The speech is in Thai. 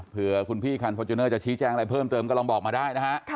เพื่อคุณพี่คันฟอร์จูเนอร์จะชี้แจงอะไรเพิ่มเติมก็ลองบอกมาได้นะฮะ